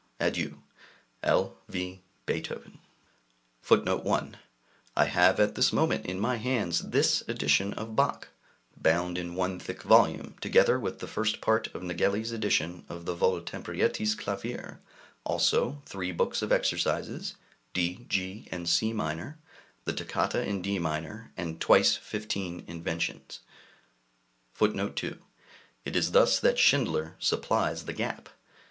Adieu! L. V. BEETHOVEN. [Footnote 1: I have at this moment in my hands this edition of Bach, bound in one thick volume, together with the first part of Nägeli's edition of the Wohltemperirtes Clavier, also three books of exercises (D, G, and C minor), the Toccata in D Minor, and Twice Fifteen Inventions.] [Footnote 2: It is thus that Schindler supplies the gap.